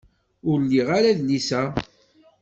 Ur liɣ ara adlis-a.